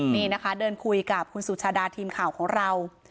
นี่นะคะเดินคุยกับคุณสุชาดาทีมข่าวของเรา